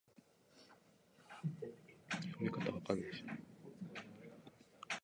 栃木県芳賀町